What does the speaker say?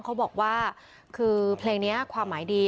เขาบอกว่าเรื่องนี้คือผลประโยชน์ความหมายดี